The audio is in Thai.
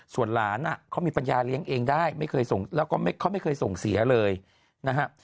ส่วนหลานเขามีปัญญาเลี้ยงเองได้ไม่เคยส่งแล้วก็เขาไม่เคยส่งเสียเลยนะฮะ